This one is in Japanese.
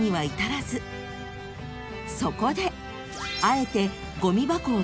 ［そこで］